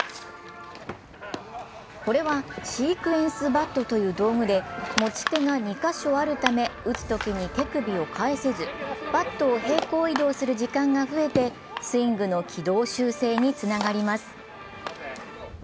これはシークエンスバットという道具で、持ち手が２カ所あるため打つときに手首を返せずバットを平行移動する時間が増えてスイングの軌道修正につながります。